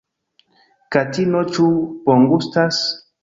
Katino ĉu bongustas?